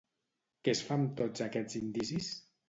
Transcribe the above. Què es fa amb tots aquests indicis?